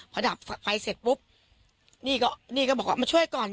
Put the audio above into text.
พอดับไฟเสร็จปุ๊บนี่ก็นี่ก็บอกว่ามาช่วยก่อน